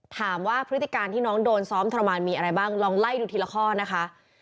พฤติการที่น้องโดนซ้อมทรมานมีอะไรบ้างลองไล่ดูทีละข้อนะคะ